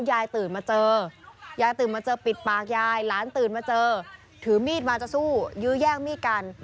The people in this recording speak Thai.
ยายตื่นมาเจอยายตื่นมาเจอปิดปากยายหลานตื่นมาเจอถือมีดมาจะสู้ยื้อแย่งมีดกัน